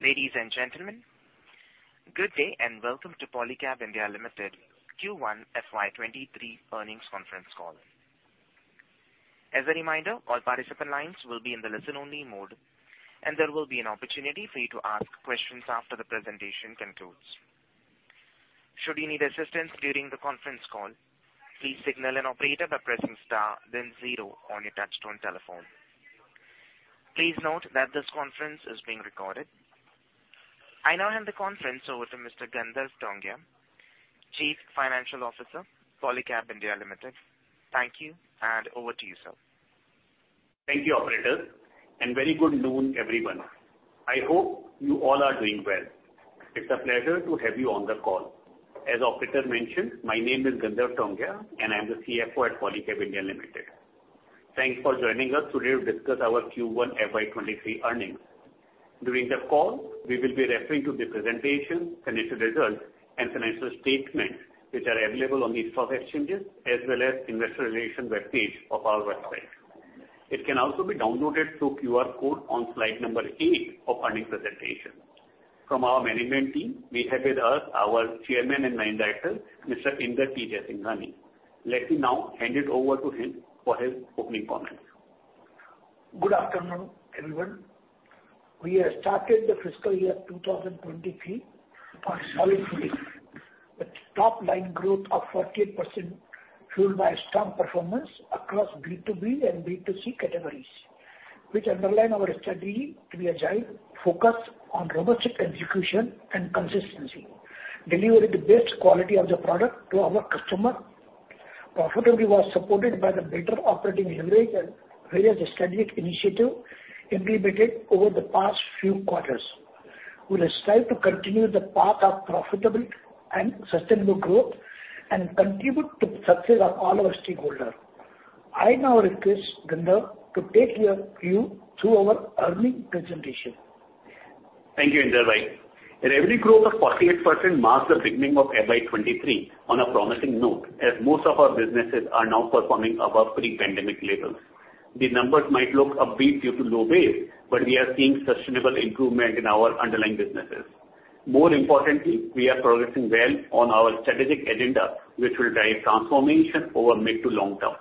Ladies and gentlemen, good day and welcome to Polycab India Limited Q1 FY 2023 earnings conference call. As a reminder, all participant lines will be in the listen-only mode, and there will be an opportunity for you to ask questions after the presentation concludes. Should you need assistance during the conference call, please signal an operator by pressing star then zero on your touchtone telephone. Please note that this conference is being recorded. I now hand the conference over to Mr. Gandharv Tongia, Chief Financial Officer, Polycab India Limited. Thank you, and over to you, sir. Thank you, operator, and very good noon, everyone. I hope you all are doing well. It's a pleasure to have you on the call. As operator mentioned, my name is Gandharv Tongia, and I am the CFO at Polycab India Limited. Thanks for joining us today to discuss our Q1 FY 2023 earnings. During the call, we will be referring to the presentation, financial results and financial statements, which are available on the stock exchanges as well as investor relations web page of our website. It can also be downloaded through QR code on slide number eight of earnings presentation. From our management team, we have with us our Chairman and Managing Director, Mr. Inder T. Jaisinghani. Let me now hand it over to him for his opening comments. Good afternoon, everyone. We have started the fiscal year 2023 on a solid footing with top line growth of 48%, fueled by strong performance across B2B and B2C categories, which underline our strategy to be agile, focused on robust execution and consistency, delivering the best quality of the product to our customer. Profitability was supported by the better operating leverage and various strategic initiatives implemented over the past few quarters. We will strive to continue the path of profitable and sustainable growth and contribute to success of all our stakeholders. I now request Gandharv Tongia to take you through our earnings presentation. Thank you, Inder. Right. A revenue growth of 48% marks the beginning of FY 2023 on a promising note, as most of our businesses are now performing above pre-pandemic levels. The numbers might look upbeat due to low base, but we are seeing sustainable improvement in our underlying businesses. More importantly, we are progressing well on our strategic agenda, which will drive transformation over mid to long term.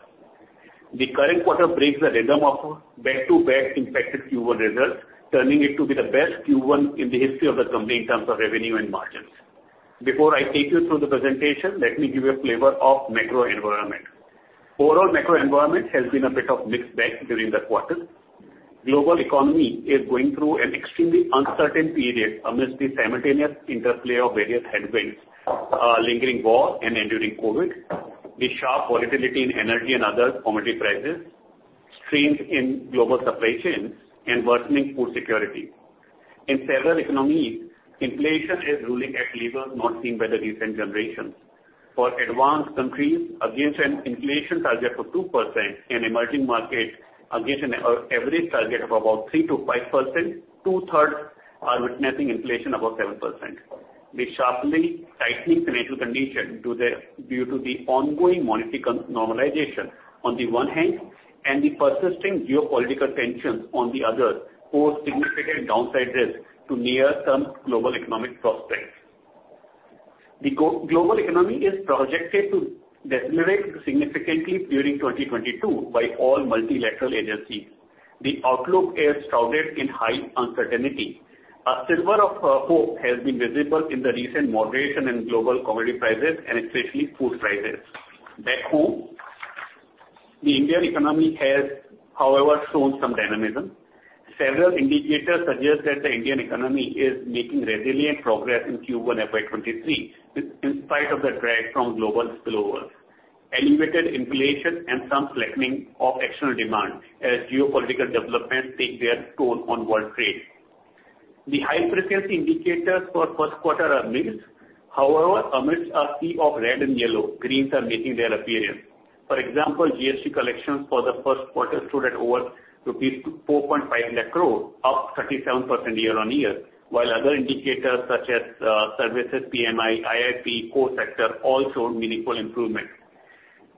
The current quarter breaks the rhythm of back-to-back impacted Q1 results, turning it to be the best Q1 in the history of the company in terms of revenue and margins. Before I take you through the presentation, let me give you a flavor of macro environment. Overall macro environment has been a bit of mixed bag during the quarter. Global economy is going through an extremely uncertain period amidst the simultaneous interplay of various headwinds, lingering war and enduring COVID, the sharp volatility in energy and other commodity prices, strains in global supply chains and worsening food security. In several economies, inflation is ruling at levels not seen in recent generations. For advanced countries against an inflation target of 2% and emerging markets against an average target of about 3%-5%, two-thirds are witnessing inflation above 7%. The sharply tightening financial condition due to the ongoing monetary normalization on the one hand and the persisting geopolitical tensions on the other pose significant downside risk to near-term global economic prospects. The global economy is projected to decelerate significantly during 2022 by all multilateral agencies. The outlook is shrouded in high uncertainty. A sliver of hope has been visible in the recent moderation in global commodity prices and especially food prices. Back home, the Indian economy has, however, shown some dynamism. Several indicators suggest that the Indian economy is making resilient progress in Q1 FY 2023, with, in spite of the drag from global slowdowns, elevated inflation and some flattening of external demand as geopolitical developments take their toll on world trade. The high-frequency indicators for first quarter are mixed. However, amidst a sea of red and yellow, greens are making their appearance. For example, GST collections for the first quarter stood at over rupees 4.5 lakh crore, up 37% year-on-year, while other indicators such as services PMI, IIP, core sector all showed meaningful improvement.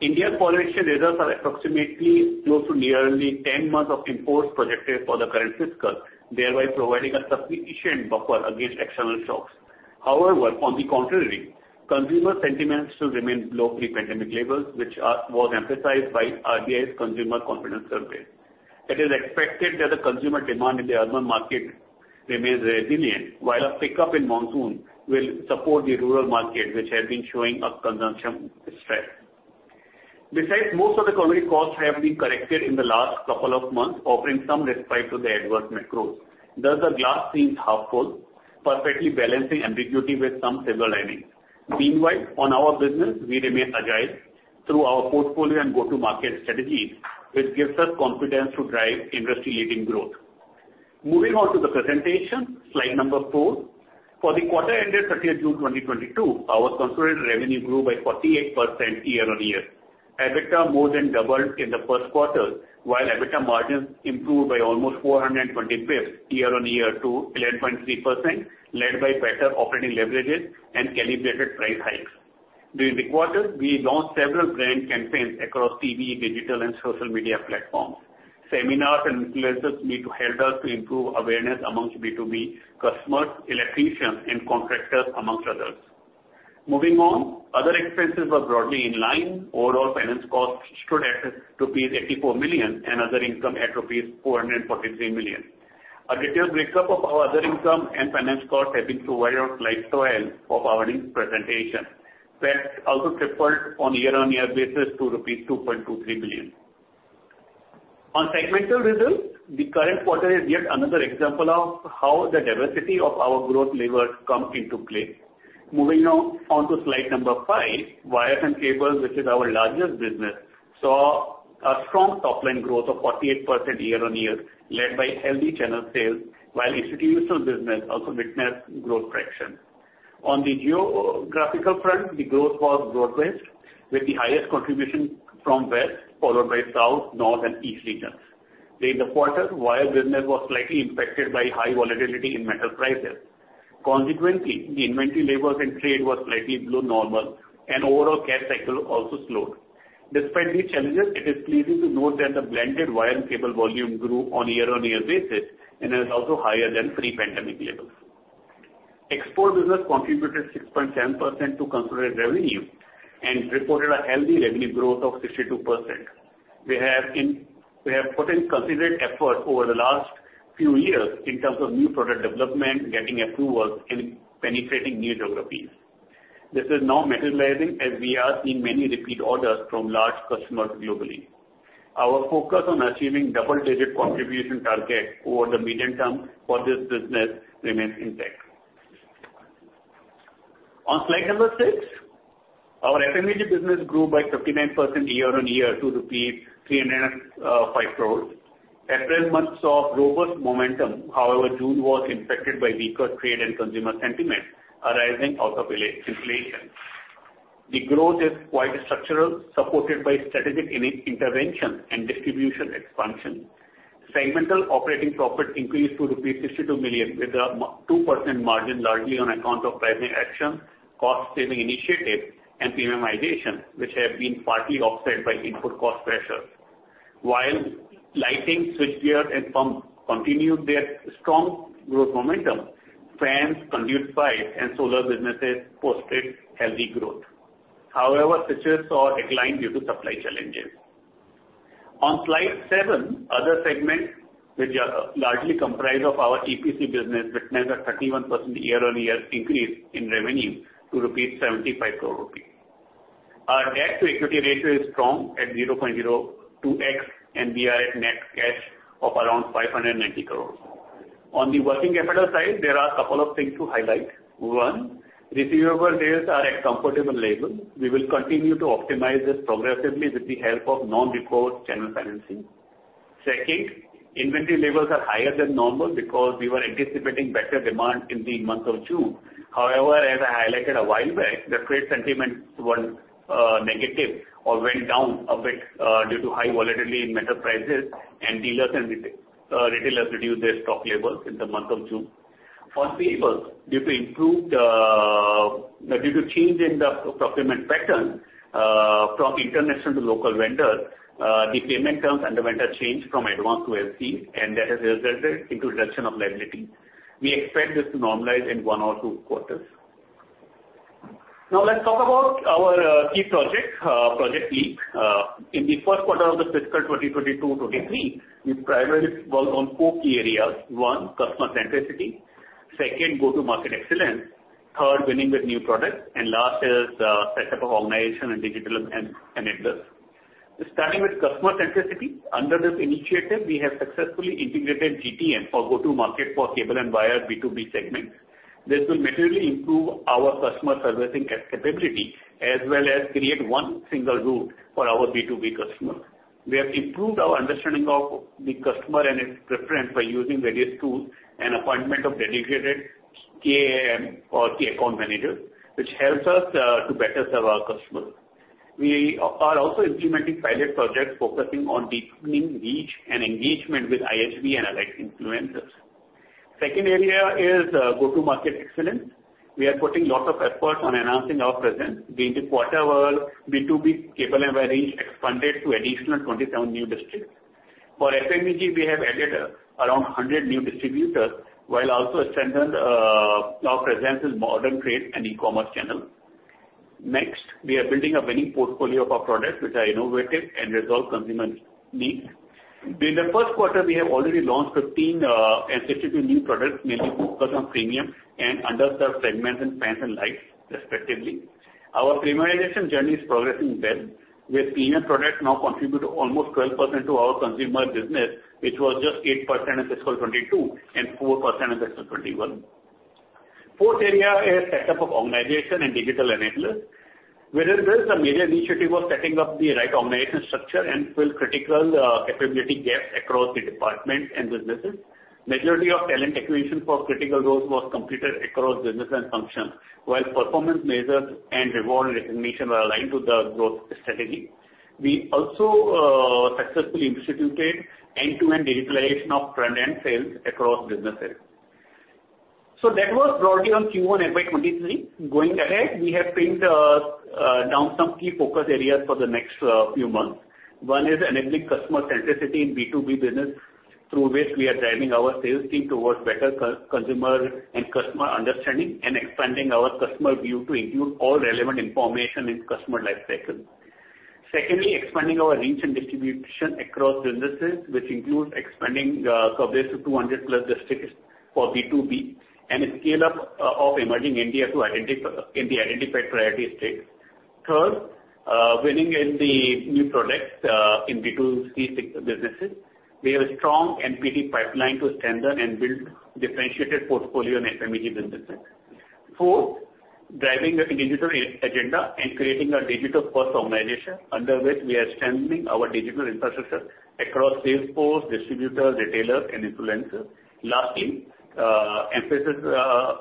India's foreign exchange reserves are approximately close to nearly 10 months of imports projected for the current fiscal, thereby providing a sufficient buffer against external shocks. However, on the contrary, consumer sentiments still remain below pre-pandemic levels, which was emphasized by RBI's Consumer Confidence Survey. It is expected that the consumer demand in the urban market remains resilient, while a pickup in monsoon will support the rural market, which has been showing a consumption strength. Besides, most of the commodity costs have been corrected in the last couple of months, offering some respite to the adverse macros. Thus, the glass seems half full, perfectly balancing ambiguity with some silver linings. Meanwhile, on our business, we remain agile through our portfolio and go-to-market strategies, which gives us confidence to drive industry-leading growth. Moving on to the presentation, slide number four. For the quarter ended 30th June 2022, our consolidated revenue grew by 48% year-on-year. EBITDA more than doubled in the first quarter, while EBITDA margins improved by almost 420 basis points year-on-year to 11.3%, led by better operating leverages and calibrated price hikes. During the quarter, we launched several brand campaigns across TV, digital, and social media platforms. Seminars and influencers meet helped us to improve awareness among B2B customers, electricians and contractors, among others. Moving on, other expenses were broadly in line. Overall finance costs stood at rupees 84 million and other income at rupees 443 million. A detailed breakup of our other income and finance costs have been provided on slide 12 of our earnings presentation. Tax also tripled on year-on-year basis to rupees 2.23 billion. On segmental results, the current quarter is yet another example of how the diversity of our growth levers come into play. Moving now on to slide number 5, wires and cables, which is our largest business, saw a strong top line growth of 48% year-on-year, led by healthy channel sales, while institutional business also witnessed growth traction. On the geographical front, the growth was broad-based, with the highest contribution from West, followed by South, North and East regions. During the quarter, wire business was slightly impacted by high volatility in metal prices. Consequently, the inventory levels and trade were slightly below normal and overall cash cycle also slowed. Despite these challenges, it is pleasing to note that the blended wire and cable volume grew on year-on-year basis and is also higher than pre-pandemic levels. Export business contributed 6.7% to consolidated revenue and reported a healthy revenue growth of 62%. We have put in considered effort over the last few years in terms of new product development, getting approvals and penetrating new geographies. This is now materializing as we are seeing many repeat orders from large customers globally. Our focus on achieving double-digit contribution target over the medium term for this business remains intact. On slide number 6, our FMEG business grew by 59% year-on-year to rupees 305 crores. April month saw robust momentum, however, June was impacted by weaker trade and consumer sentiment arising out of elevated inflation. The growth is quite structural, supported by strategic initiatives and distribution expansion. Segmental operating profit increased to 62 million rupees, with a 2% margin largely on account of pricing action, cost saving initiatives and premiumization, which have been partly offset by input cost pressures. While lighting, switchgear and pumps continued their strong growth momentum, fans, conduit pipes and solar businesses posted healthy growth. However, switches saw a decline due to supply challenges. On slide seven, other segments which are largely comprised of our EPC business, witnessed a 31% year-on-year increase in revenue to 75 crore rupees. Our debt-to-equity ratio is strong at 0.02x and we are at net cash of around 590 crores. On the working capital side, there are a couple of things to highlight. One, receivable days are at comfortable levels. We will continue to optimize this progressively with the help of non-recourse channel financing. Second, inventory levels are higher than normal because we were anticipating better demand in the month of June. However, as I highlighted a while back, the trade sentiments went negative or went down a bit due to high volatility in metal prices and dealers and retailers reduced their stock levels in the month of June. On payables, due to change in the procurement pattern from international to local vendors, the payment terms underwent a change from advance to LC, and that has resulted into reduction of liability. We expect this to normalize in one or two quarters. Now let's talk about our key projects, Project LEAP. In the first quarter of the fiscal 2022-23, we primarily worked on four key areas. One, customer centricity, second, go-to-market excellence, third, winning with new products, and last is set up of organization and digital enablers. Starting with customer centricity, under this initiative, we have successfully integrated GTM or go-to-market for cable and wire B2B segment. This will materially improve our customer servicing capability as well as create one single route for our B2B customers. We have improved our understanding of the customer and his preference by using various tools and appointment of dedicated KAM or key account managers, which helps us to better serve our customers. We are also implementing pilot projects focusing on deepening reach and engagement with ISV and allied influencers. Second area is go-to-market excellence. We are putting lots of effort on enhancing our presence. During this quarter, our B2B cable and wire reach expanded to additional 27 new districts. For FMEG, we have added around 100 new distributors, while also strengthening our presence in modern trade and e-commerce channels. Next, we are building a winning portfolio of our products which are innovative and resolve consumer needs. During the first quarter, we have already launched 15 and 32 new products, mainly focused on premium and underserved segments in fans and lights respectively. Our premiumization journey is progressing well, with premium products now contribute almost 12% to our consumer business, which was just 8% in fiscal 2022 and 4% in fiscal 2021. Fourth area is set up of organization and digital enablers. Wherein this, the major initiative was setting up the right organization structure and fill critical capability gaps across the department and businesses. Majority of talent acquisition for critical roles was completed across business and functions, while performance measures and reward recognition were aligned to the growth strategy. We also successfully instituted end-to-end digitalization of front-end sales across businesses. That was broadly on Q1 FY 2023. Going ahead, we have pinned down some key focus areas for the next few months. One is enabling customer centricity in B2B business, through which we are driving our sales team towards better customer and customer understanding and expanding our customer view to include all relevant information in customer life cycle. Secondly, expanding our reach and distribution across businesses, which includes expanding coverage to 200+ districts for B2B, and a scale up of Emerging India in the identified priority states. Third, winning in the new products in B2C businesses. We have a strong NPD pipeline to strengthen and build differentiated portfolio in FMEG businesses. Fourth, driving the digital agenda and creating a digital first organization, under which we are strengthening our digital infrastructure across sales force, distributors, retailers and influencers. Lastly, emphasis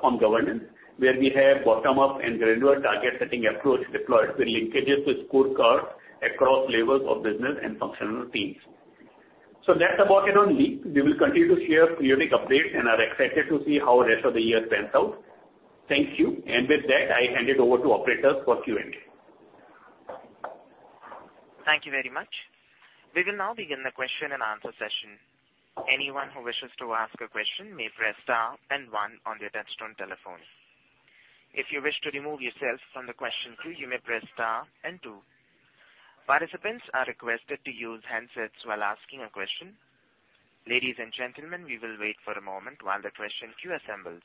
on governance, where we have bottom up and granular target setting approach deployed with linkages to scorecards across levels of business and functional teams. That's about it on Leap. We will continue to share periodic updates and are excited to see how rest of the year pans out. Thank you. With that, I hand it over to operators for Q&A. Thank you very much. We will now begin the question and answer session. Anyone who wishes to ask a question may press star and one on their touch-tone telephone. If you wish to remove yourself from the question queue, you may press star and two. Participants are requested to use handsets while asking a question. Ladies and gentlemen, we will wait for a moment while the question queue assembles.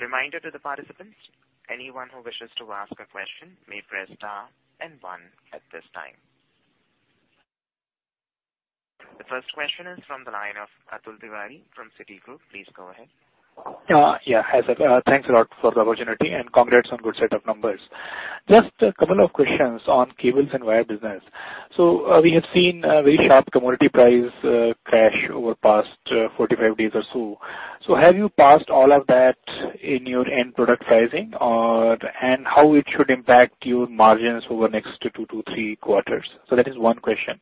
Reminder to the participants, anyone who wishes to ask a question may press star and one at this time. The first question is from the line of Atul Tiwari from Citigroup. Please go ahead. Hi, sir. Thanks a lot for the opportunity, and congrats on good set of numbers. Just a couple of questions on cables and wire business. We have seen a very sharp commodity price crash over past 45 days or so. Have you passed all of that in your end product pricing? And how it should impact your margins over next two-three quarters? That is one question,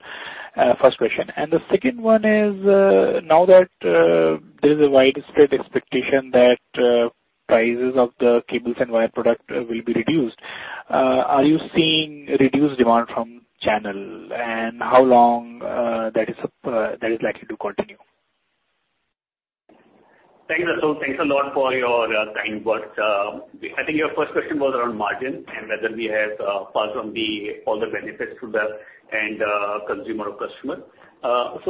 first question. The second one is, now that there is a widespread expectation that prices of the cables and wire product will be reduced, are you seeing reduced demand from channel? And how long that is likely to continue? Thanks, Atul. Thanks a lot for your kind words. I think your first question was around margin, and whether we have passed on all the benefits to the end consumer or customer.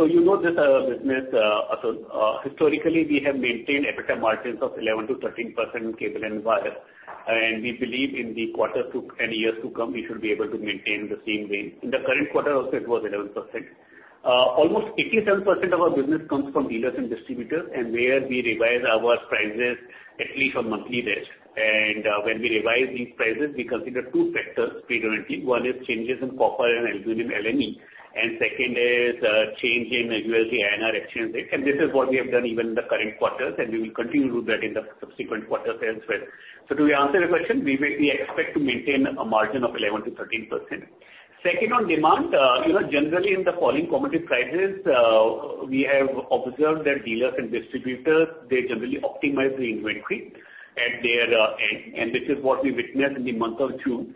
You know this business, Atul, historically, we have maintained EBITDA margins of 11%-13% in cable and wire. We believe in the quarter and years to come, we should be able to maintain the same range. In the current quarter also it was 11%. Almost 87% of our business comes from dealers and distributors, and where we revise our prices at least on monthly basis. When we revise these prices, we consider two factors predominantly. One is changes in copper and aluminum LME, and second is change in usual INR exchange rate. This is what we have done even in the current quarters, and we will continue to do that in the subsequent quarters as well. To answer your question, we expect to maintain a margin of 11%-13%. Second, on demand, you know, generally in the falling commodity prices, we have observed that dealers and distributors, they generally optimize the inventory at their end, and this is what we witnessed in the month of June.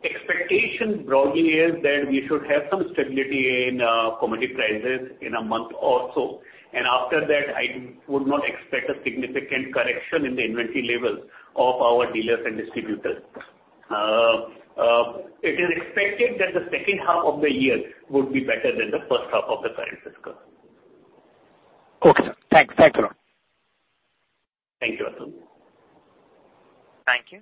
Expectation broadly is that we should have some stability in commodity prices in a month or so. After that, I would not expect a significant correction in the inventory levels of our dealers and distributors. It is expected that the second half of the year would be better than the first half of the current fiscal. Okay, sir. Thanks. Thanks a lot. Thank you, Atul. Thank you.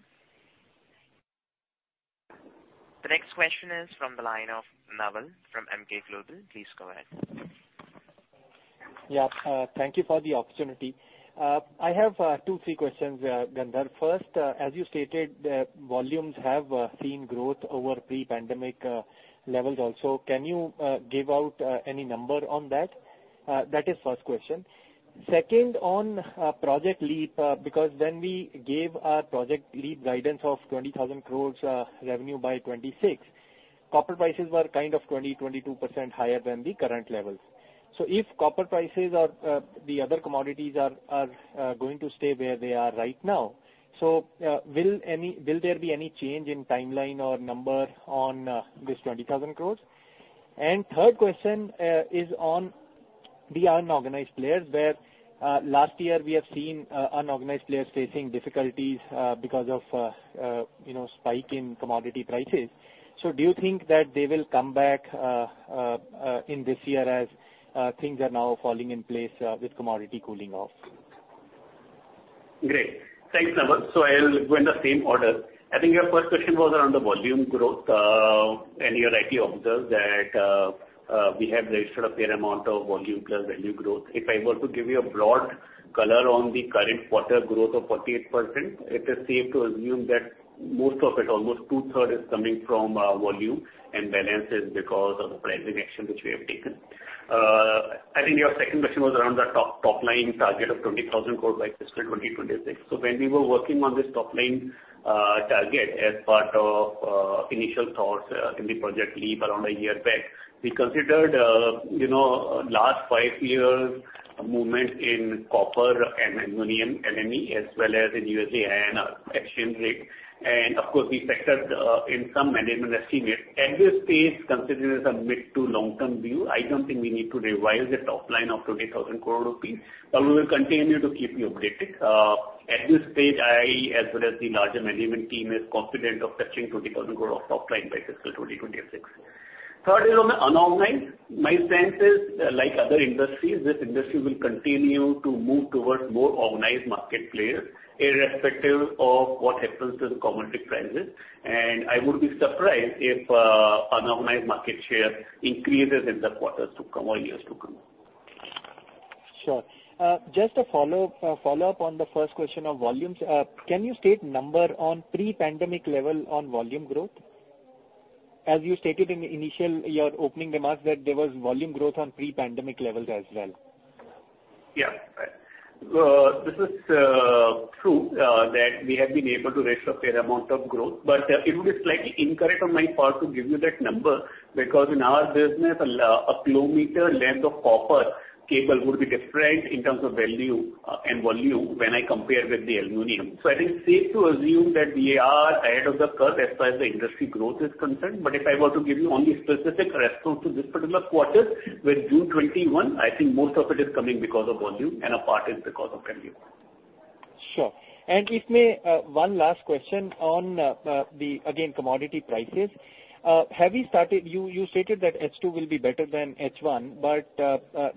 The next question is from the line of Naval from Emkay Global. Please go ahead. Yeah. Thank you for the opportunity. I have two, three questions, Gandharv. First, as you stated, volumes have seen growth over pre-pandemic levels also. Can you give out any number on that? That is first question. Second, on Project LEAP, because when we gave our Project LEAP guidance of 20,000 crore revenue by 2026, copper prices were kind of 22% higher than the current levels. If copper prices or the other commodities are going to stay where they are right now, will there be any change in timeline or number on this 20,000 crore? Third question is on the unorganized players, where last year we have seen unorganized players facing difficulties because of you know spike in commodity prices. Do you think that they will come back in this year as things are now falling in place with commodity cooling off? Great. Thanks, Naval. I'll go in the same order. I think your first question was around the volume growth. You rightly observed that we have registered a fair amount of volume plus value growth. If I were to give you a broad color on the current quarter growth of 48%, it is safe to assume that most of it, almost two-thirds is coming from volume, and balance is because of the pricing action which we have taken. I think your second question was around the top line target of 20,000 crore by fiscal 2026. When we were working on this top line target as part of initial thoughts in the Project LEAP around a year back, we considered you know, last five years' movement in copper and aluminum as well as in USD and exchange rate. Of course, we factored in some management estimates. At this stage, considering some mid to long-term view, I don't think we need to revise the top line of 20,000 crore rupees. We will continue to keep you updated. At this stage, I as well as the larger management team is confident of touching 20,000 crore of top line by fiscal 2026. Third is on the unorganized. My sense is, like other industries, this industry will continue to move towards more organized market players irrespective of what happens to the commodity prices. I would be surprised if unorganized market share increases in the quarters to come or years to come. Sure. Just a follow-up on the first question of volumes. Can you state number on pre-pandemic level on volume growth? As you stated in initial your opening remarks that there was volume growth on pre-pandemic levels as well. Yeah. This is true that we have been able to register fair amount of growth, but it would be slightly incorrect on my part to give you that number because in our business, a kilometer length of copper cable would be different in terms of value and volume when I compare with the aluminum. I think safe to assume that we are ahead of the curve as far as the industry growth is concerned. If I were to give you only specific reference to this particular quarter with June 2021, I think most of it is coming because of volume and a part is because of revenue. Sure. If I may, one last question on commodity prices again. Have you started? You stated that H2 will be better than H1, but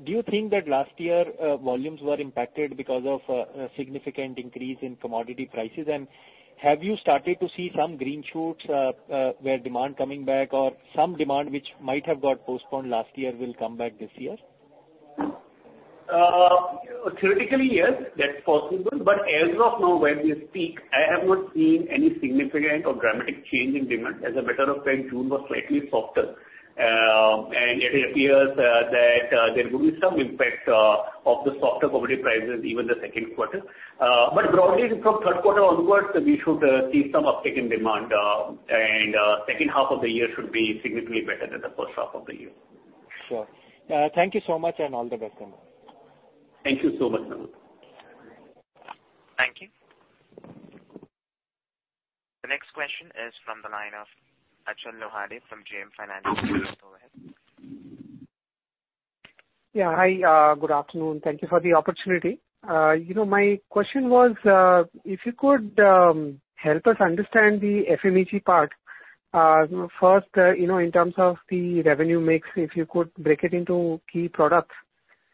do you think that last year volumes were impacted because of a significant increase in commodity prices? Have you started to see some green shoots of demand coming back or some demand which might have got postponed last year will come back this year? Theoretically, yes, that's possible. As of now, when we speak, I have not seen any significant or dramatic change in demand. As a matter of fact, June was slightly softer. It appears that there will be some impact of the softer commodity prices even in the second quarter. Broadly from third quarter onwards, we should see some uptick in demand, and second half of the year should be significantly better than the first half of the year. Sure. Thank you so much and all the best. Thank you so much, Rahul. Thank you. The next question is from the line of Achal Lohade from JM Financial. Go ahead. Yeah. Hi, good afternoon. Thank you for the opportunity. You know, my question was, if you could help us understand the FMEG part. First, you know, in terms of the revenue mix, if you could break it into key products.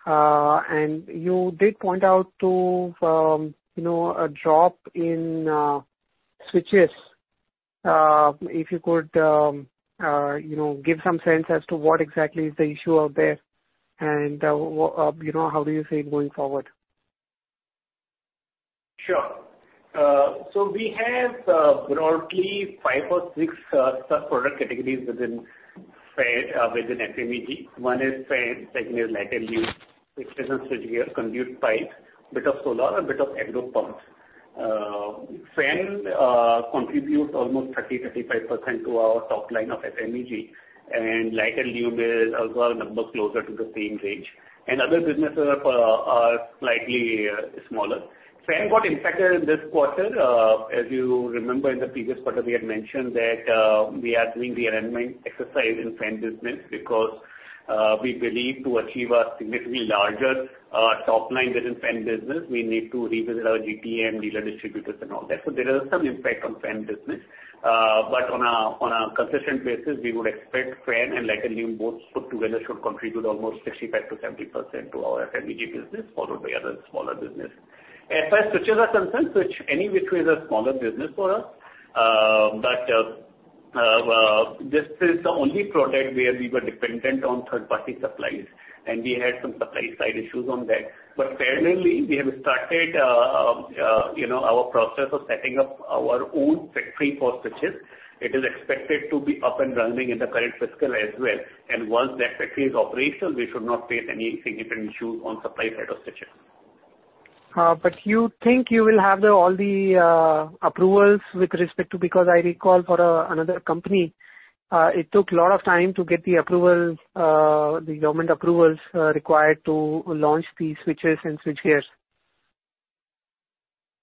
You did point out to, you know, a drop in switches. If you could, you know, give some sense as to what exactly is the issue out there and, what, you know, how do you see it going forward? Sure. We have broadly 5 or 6 sub-product categories within fan, within FMEG. One is fan, second is lights & luminaires, switches & switchgears, conduit pipe, bit of solar and bit of agro pumps. Fan contributes almost 30%-35% to our top line of FMEG, and lights & luminaires is also a number closer to the same range, and other businesses are slightly smaller. Fan got impacted in this quarter. If you remember in the previous quarter, we had mentioned that we are doing realignment exercise in fan business because we believe to achieve a significantly larger top line within fan business, we need to revisit our GTM and dealer distributors and all that. There is some impact on fan business. On a consistent basis, we would expect fan and light & lube both put together should contribute almost 65%-70% to our FMEG business, followed by other smaller business. As far as switches are concerned, switch any which way is a smaller business for us. This is the only product where we were dependent on third-party suppliers, and we had some supply side issues on that. Parallelly we have started, you know, our process of setting up our own factory for switches. It is expected to be up and running in the current fiscal as well. Once that factory is operational, we should not face any significant issue on supply side of switches. you think you will have all the approvals with respect to, because I recall for another company, it took a lot of time to get the approvals, the government approvals, required to launch the switches and switchgears.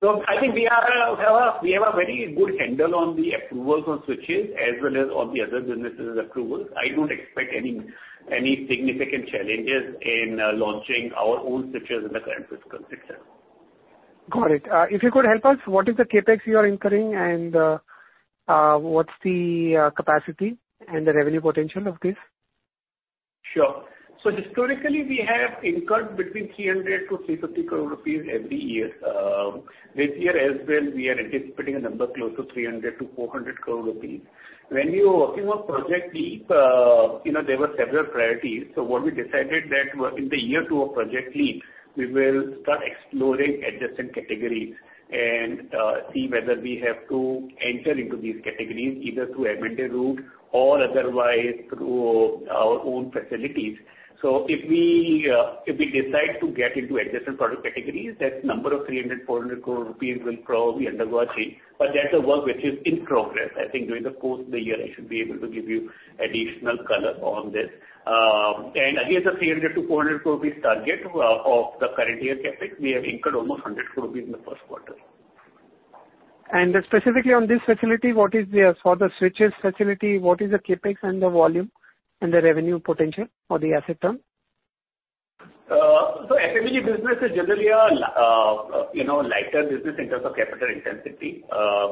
I think we have a very good handle on the approvals on switches as well as on the other businesses' approvals. I don't expect any significant challenges in launching our own switches in the current fiscal, Achal. Got it. If you could help us, what is the CapEx you are incurring and what's the capacity and the revenue potential of this? Sure. Historically we have incurred between 300-350 crore rupees every year. This year as well we are anticipating a number close to 300-400 crore rupees. When we were working on Project LEAP, you know, there were several priorities. What we decided that in the year two of Project LEAP, we will start exploring adjacent categories and see whether we have to enter into these categories, either through admitted route or otherwise through our own facilities. If we decide to get into additional product categories, that number of 300-400 crore rupees will probably undergo a change, but that's a work which is in progress. I think during the course of the year, I should be able to give you additional color on this. Against the 300-400 crore rupees target of the current year CapEx, we have incurred almost 100 crore rupees in the first quarter. Specifically on this facility, for the switches facility, what is the CapEx and the volume and the revenue potential for the asset term? FMEG business is generally a lighter business in terms of capital intensity.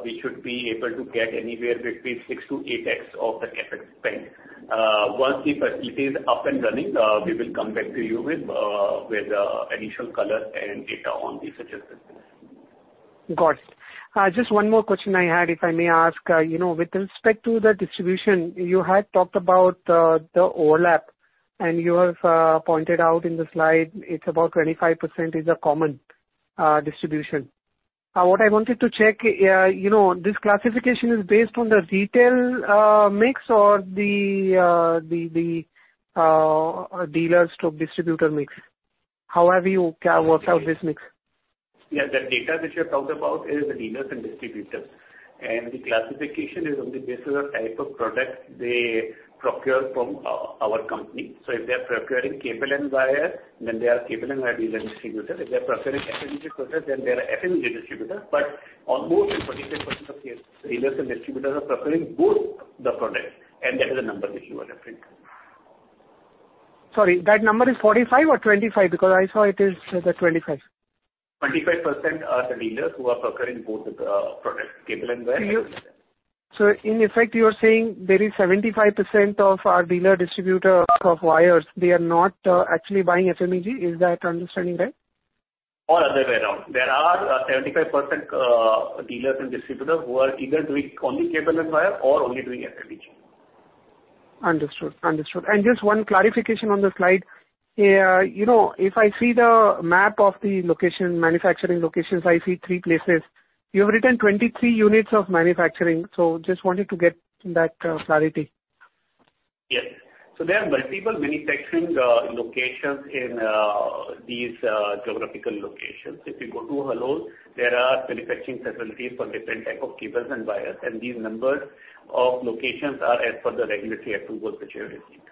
We should be able to get anywhere between 6x to 8x of the CapEx spend. Once the facility is up and running, we will come back to you with additional color and data on the switches business. Got it. Just one more question I had, if I may ask. You know, with respect to the distribution, you had talked about the overlap, and you have pointed out in the slide it's about 25% is a common distribution. What I wanted to check, you know, this classification is based on the retail mix or the dealer stock distributor mix. How have you worked out this mix? Yeah. The data that you have talked about is the dealers and distributors. The classification is on the basis of type of product they procure from our company. If they're procuring cable and wire, then they are cable and wire dealer and distributors. If they're procuring FMEG products, then they are FMEG distributors. Almost a 45% of the dealers and distributors are procuring both the products, and that is the number that you are referring to. Sorry, that number is 45 or 25? Because I saw it is, the 25. 25% are the dealers who are procuring both the products, cable and wire- In effect you are saying there is 75% of our dealer distributors of wires, they are not actually buying FMEG. Is that understanding right? Other way around. There are 75% dealers and distributors who are either doing only cable and wire or only doing FMEG. Understood. Just one clarification on the slide. You know, if I see the map of the location, manufacturing locations, I see three places. You have written 23 units of manufacturing. So just wanted to get that, clarity. Yes. There are multiple manufacturing locations in these geographical locations. If you go to Halol, there are manufacturing facilities for different type of cables and wires, and these numbers of locations are as per the regulatory approvals which we have received.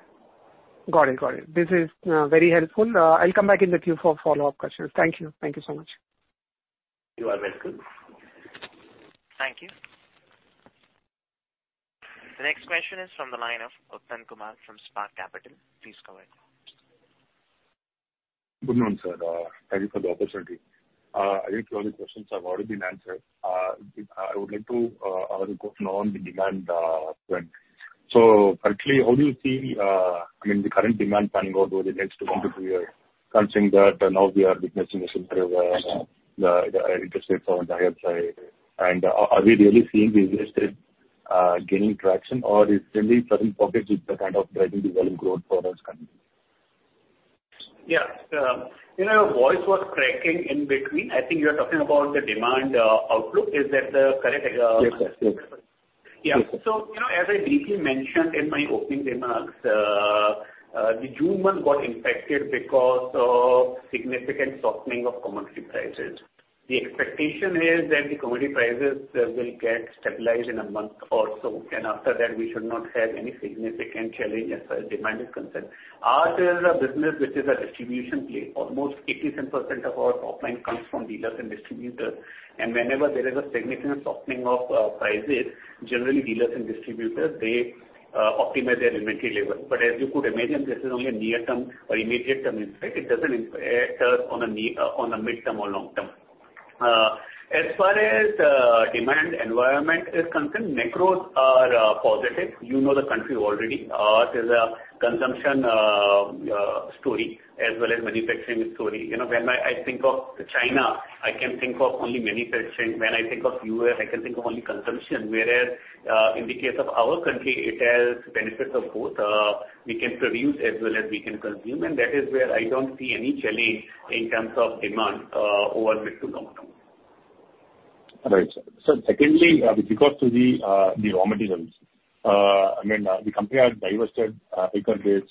Got it. This is very helpful. I'll come back in the queue for follow-up questions. Thank you so much. You are welcome. Thank you. The next question is from the line of Uttham Kumar from Spark Capital. Please go ahead. Good morning, sir. Thank you for the opportunity. I think all the questions have already been answered. I would like to have a question on the demand trend. Currently, how do you see, I mean, the current demand panning out over the next one-two years, considering that now we are witnessing a scenario where the interest rates are on the higher side, and are we really seeing the interest rate gaining traction or is mainly certain pockets which are kind of driving the volume growth for us coming in? Yeah. You know, voice was cracking in between. I think you are talking about the demand outlook. Is that the correct? Yes, yes. Yeah. Yes, sir. You know, as I briefly mentioned in my opening remarks, the June month got impacted because of significant softening of commodity prices. The expectation is that the commodity prices will get stabilized in a month or so, and after that we should not have any significant challenge as far as demand is concerned. Ours is a business which is a distribution play. Almost 87% of our top line comes from dealers and distributors. Whenever there is a significant softening of prices, generally dealers and distributors they optimize their inventory level. As you could imagine, this is only a near-term or immediate term impact. It doesn't impact us on a midterm or long term. As far as demand environment is concerned, macros are positive. You know the country already. Ours is a consumption story as well as manufacturing story. You know, when I think of China, I can think of only manufacturing. When I think of U.S., I can think of only consumption. Whereas, in the case of our country, it has benefits of both. We can produce as well as we can consume, and that is where I don't see any challenge in terms of demand over mid to long term. All right, sir. Secondly, with regards to the raw materials, I mean, the company had divested Ryker Base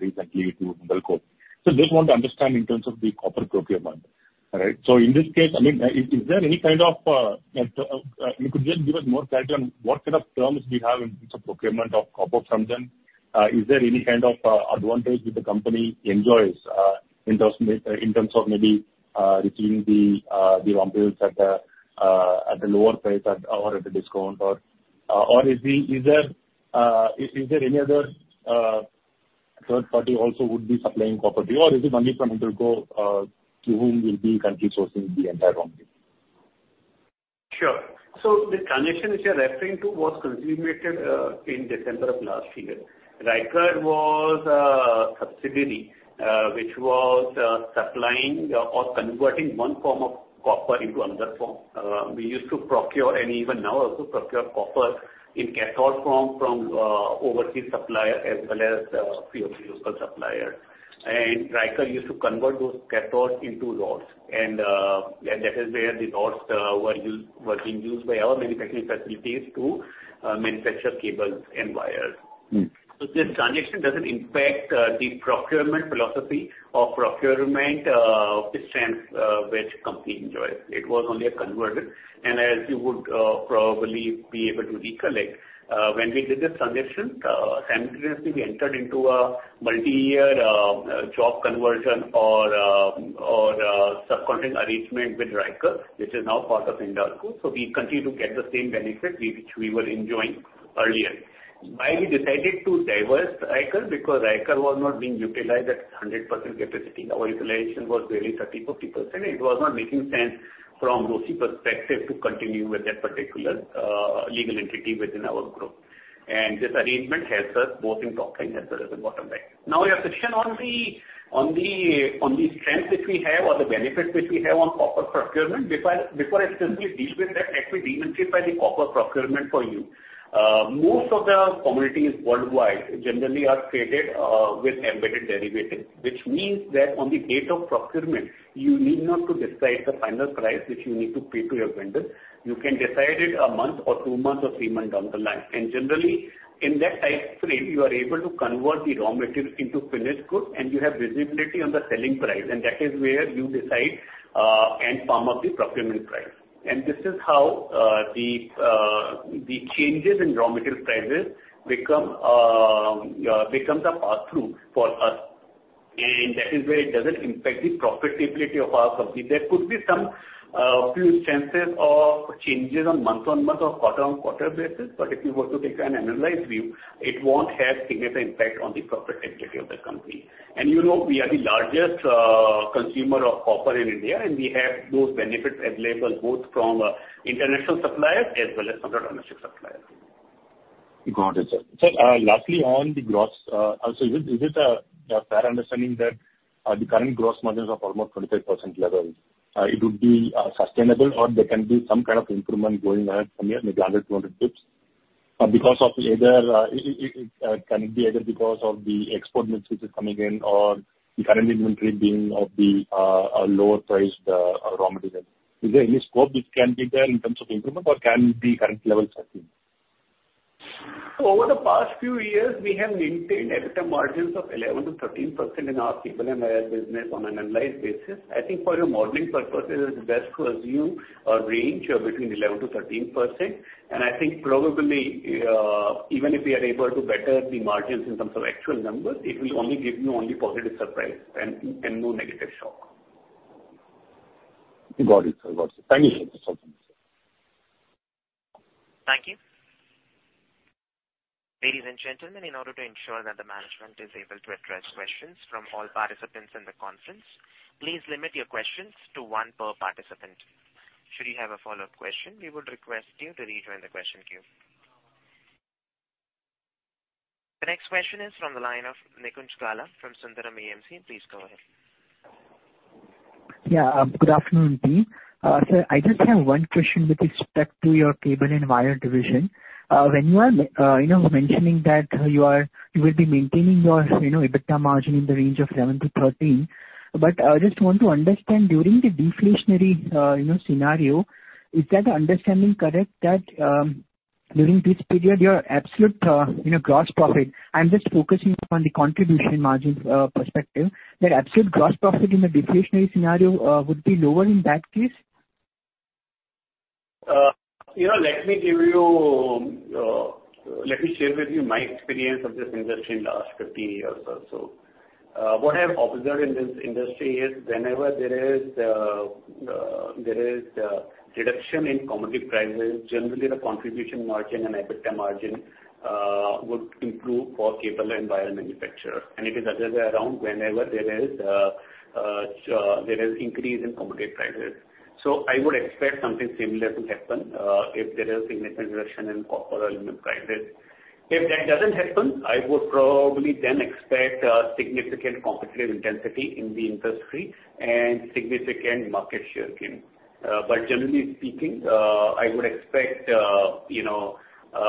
recently to Hindalco. Just want to understand in terms of the copper procurement. All right? In this case, I mean, is there any kind of like you could just give us more clarity on what kind of terms we have in terms of procurement of copper from them. Is there any kind of advantage that the company enjoys in terms of maybe receiving the raw materials at a lower price or at a discount? Or is there any other third party also would be supplying copper to you? Is it only from Hindalco, to whom we'll be continuously sourcing the entire raw material? Sure. The transaction which you're referring to was consummated in December of last year. Ryker was a subsidiary which was supplying or converting one form of copper into another form. We used to procure, and even now also procure copper in cathode form from overseas suppliers as well as few of the local suppliers. Ryker used to convert those cathodes into rods and that is where the rods were used by our manufacturing facilities to manufacture cables and wires. Mm-hmm. This transition doesn't impact the procurement philosophy or procurement strengths which company enjoys. It was only a converter. As you would probably be able to recollect, when we did this transition, simultaneously we entered into a multi-year job conversion or subcontract arrangement with Ryker Base, which is now part of Hindalco. We continue to get the same benefit which we were enjoying earlier. Why we decided to divest Ryker Base? Because Ryker Base was not being utilized at 100% capacity. Our utilization was barely 30%-40%. It was not making sense from ROCE perspective to continue with that particular legal entity within our group. This arrangement helps us both in top-line as well as in bottom-line. Now, your question on the strength which we have or the benefits which we have on copper procurement, before I simply deal with that, let me demystify the copper procurement for you. Most of the commodities worldwide generally are created with embedded derivative, which means that on the date of procurement, you need not to decide the final price which you need to pay to your vendor. You can decide it a month or two months or three months down the line. Generally, in that time frame, you are able to convert the raw material into finished goods, and you have visibility on the selling price. That is where you decide and firm up the procurement price. This is how the changes in raw material prices becomes a pass-through for us. That is where it doesn't impact the profitability of our company. There could be some few instances of changes on month-on-month or quarter-on-quarter basis, but if you were to take an annualized view, it won't have significant impact on the profitability of the company. You know, we are the largest consumer of copper in India, and we have those benefits available both from international suppliers as well as some domestic suppliers. Got it, sir. Sir, lastly, on the gross, also is it a fair understanding that the current gross margins of almost 25% level, it would be sustainable or there can be some kind of improvement going ahead from here, maybe 100-200 basis points? Because of either, it can it be either because of the export mix which is coming in or the current inventory being of a lower priced raw material? Is there any scope which can be there in terms of improvement or can the current levels sustain? Over the past few years, we have maintained EBITDA margins of 11%-13% in our cable and wire business on an annualized basis. I think for your modeling purposes, it's best to assume a range of between 11%-13%. I think probably, even if we are able to better the margins in terms of actual numbers, it will only give you positive surprise and no negative shock. Got it, sir. Got it. Thank you for your time. Thank you. Ladies and gentlemen, in order to ensure that the management is able to address questions from all participants in the conference, please limit your questions to one per participant. Should you have a follow-up question, we would request you to rejoin the question queue. The next question is from the line of Nikunj Gala from Sundaram AMC. Please go ahead. Yeah, good afternoon, team. Sir, I just have one question with respect to your cable and wire division. When you are, you know, mentioning that you are, you will be maintaining your, you know, EBITDA margin in the range of 7%-13%, but I just want to understand during the deflationary, you know, scenario, is that understanding correct that during this period, your absolute, you know, gross profit. I'm just focusing on the contribution margin perspective, that absolute gross profit in a deflationary scenario would be lower in that case? You know, let me share with you my experience of this industry in the last 50 years or so. What I've observed in this industry is whenever there is reduction in commodity prices, generally the contribution margin and EBITDA margin would improve for cable and wire manufacturer. It is the other way around whenever there is increase in commodity prices. I would expect something similar to happen if there is significant reduction in copper or aluminum prices. If that doesn't happen, I would probably then expect significant competitive intensity in the industry and significant market share gain. Generally speaking, I would expect you know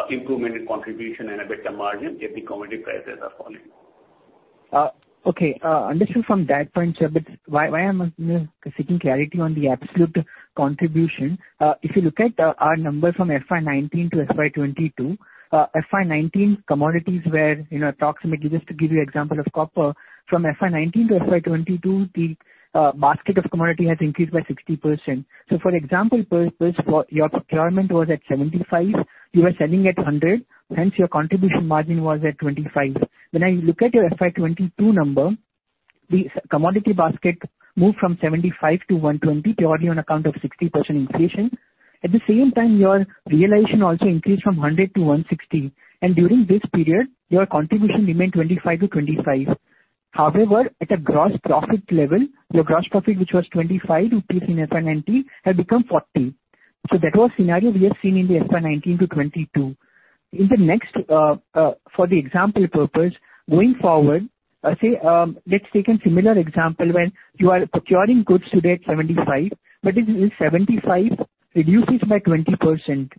improvement in contribution and EBITDA margin if the commodity prices are falling. Okay. Understood from that point, sir. Why I'm you know seeking clarity on the absolute contribution. If you look at our numbers from FY 2019 to FY 2022. FY 2019 commodities were you know approximately, just to give you example of copper, from FY 2019 to FY 2022, the basket of commodity has increased by 60%. For example purpose, your procurement was at 75, you were selling at 100, hence your contribution margin was at 25%. When I look at your FY 2022 number, the commodity basket moved from 75 to 120 purely on account of 60% inflation. At the same time, your realization also increased from 100 to 160. During this period, your contribution remained 25% to 25%. However, at a gross profit level, your gross profit, which was 25 rupees in FY 2019, had become 40. That was scenario we have seen in the FY 2019 to 2022. In the next, for the example purpose, going forward, say, let's take a similar example when you are procuring goods today at 75, but if this 75 reduces by 20%,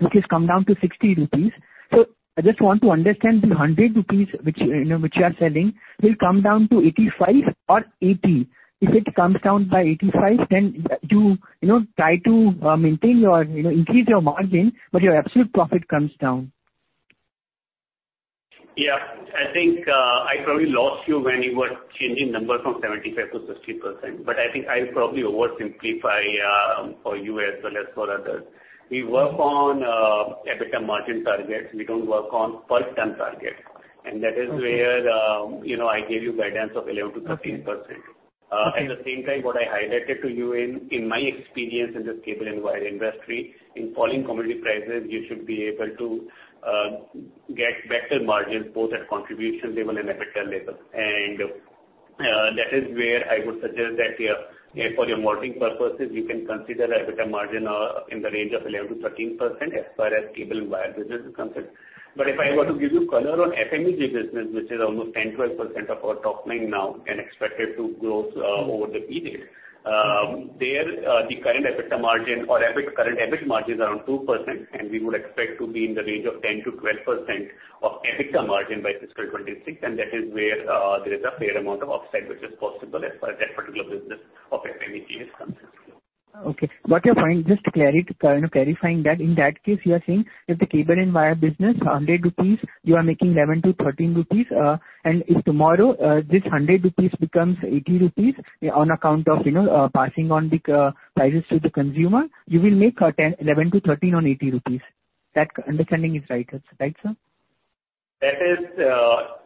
which has come down to 60 rupees. I just want to understand the 100 rupees which, you know, which you are selling will come down to 85 or 80. If it comes down by 85, then you know, try to maintain your, you know, increase your margin, but your absolute profit comes down. Yeah. I think I probably lost you when you were changing numbers from 75% to 60%, but I think I'll probably oversimplify for you as well as for others. We work on EBITDA margin targets. We don't work on per ton targets. That is where you know I gave you guidance of 11%-13%. At the same time, what I highlighted to you in my experience in this cable and wire industry, in falling commodity prices, you should be able to get better margins both at contribution level and EBITDA level. That is where I would suggest that yeah for your modeling purposes, you can consider EBITDA margin in the range of 11%-13% as far as cable and wire business is concerned. If I were to give you color on FMEG business, which is almost 10%-12% of our top line now and expected to grow over the period, the current EBITDA margin or EBIT margin is around 2%, and we would expect to be in the range of 10%-12% EBITDA margin by fiscal 2026, and that is where there is a fair amount of upside which is possible as far as that particular business of FMEG is concerned. Okay. What you're saying, just to clarify, you know, in that case, you are saying if the cable and wire business, 100 rupees, you are making 11-13 rupees, and if tomorrow, this 100 rupees becomes 80 rupees on account of, you know, passing on the prices to the consumer, you will make 10-13 on 80 rupees. That understanding is right, sir? That is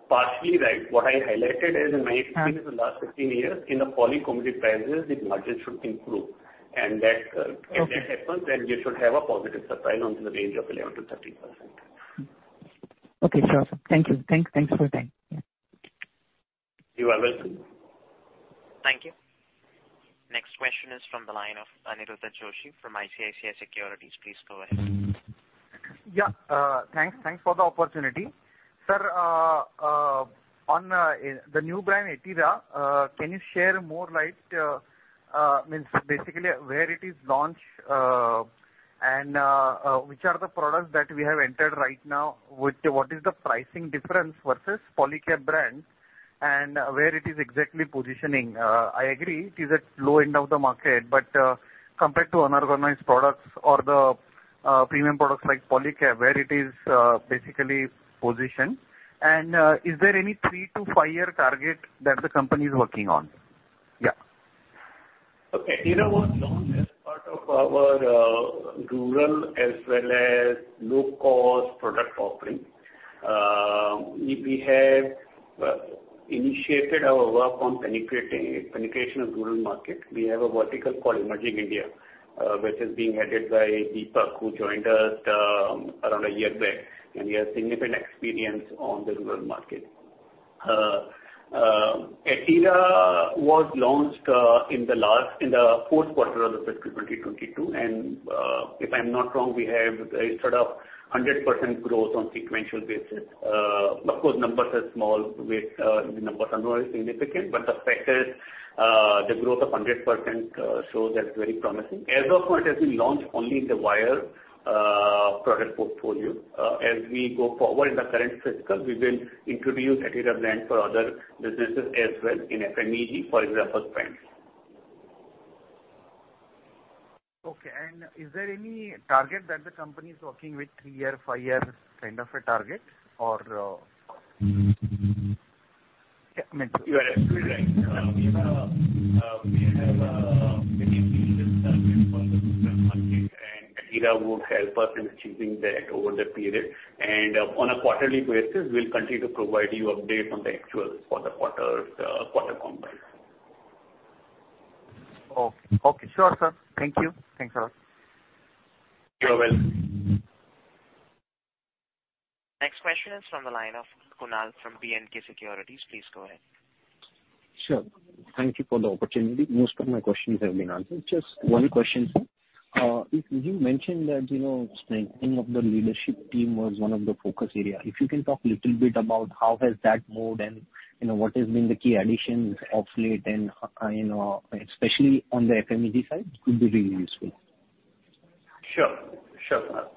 partially right. What I highlighted is, in my experience in the last 15 years, in the falling commodity prices, the margin should improve. Okay. If that happens, we should have a positive surprise onto the range of 11%-13%. Okay, sure. Thank you. Thanks for your time. Yeah. You are welcome. Thank you. Next question is from the line of Aniruddha Joshi from ICICI Securities. Please go ahead. Yeah. Thanks for the opportunity. Sir, on the new brand, Etira, can you shed more light means basically where it is launched, and which are the products that we have entered right now with what is the pricing difference versus Polycab brands and where it is exactly positioning. I agree it is at low end of the market, but compared to unorganized products or the premium products like Polycab, where it is basically positioned. Is there any 3-5-year target that the company is working on? Yeah. Okay. Etira was launched as part of our rural as well as low-cost product offering. We have initiated our work on penetration of rural market. We have a vertical called Emerging India, which is being headed by Deepak, who joined us around a year back, and he has significant experience on the rural market. Etira was launched in the fourth quarter of the fiscal 2022, and if I'm not wrong, we have a sort of 100% growth on sequential basis. Of course, numbers are small with the numbers are not significant, but the fact is, the growth of 100% shows that's very promising. As of now, it has been launched only in the wire product portfolio. As we go forward in the current fiscal, we will introduce Etira brand for other businesses as well in FMEG, for example, fans. Okay. Is there any target that the company is working with, three-year, five-year kind of a target or? You are absolutely right. We have very ambitious target for the rural market, and Etira would help us in achieving that over the period. On a quarterly basis, we'll continue to provide you update on the actuals for the quarters, quarter comparables. Oh, okay. Sure, sir. Thank you. Thanks a lot. You are welcome. Next question is from the line of Kunal from B&K Securities. Please go ahead. Sure. Thank you for the opportunity. Most of my questions have been answered. Just one question, sir. You mentioned that, you know, strengthening of the leadership team was one of the focus area. If you can talk little bit about how has that moved and, you know, what has been the key additions of late and, you know, especially on the FMEG side, it would be really useful. Sure, Kunal.